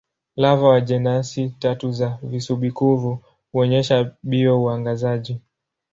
Lava wa jenasi tatu za visubi-kuvu huonyesha bio-uangazaji.